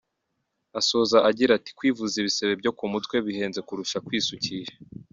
Asoza agira ati “Kwivuza ibisebe byo ku mutwe bihenze kurusha kwisukisha.